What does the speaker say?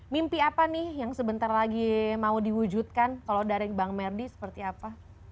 mimpi apa nih yang sebentar lagi mau diwujudkan kalau dari bang merdi seperti apa